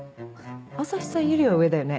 朝陽さんよりは上だよね。